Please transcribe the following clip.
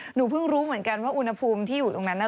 หนูเพิ่งรู้เหมือนกันว่าอุณหภูมิที่อยู่ตรงนั้นน่ะ